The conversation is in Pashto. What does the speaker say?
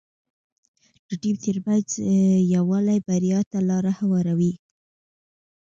د ټيم ترمنځ یووالی بریا ته لاره هواروي.